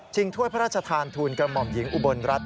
ถ้วยพระราชทานทูลกระหม่อมหญิงอุบลรัฐ